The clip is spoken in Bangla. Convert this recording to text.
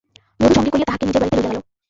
বধূ সঙ্গে করিয়া তাহাকে নিজের বাড়িতে লইয়া গেল।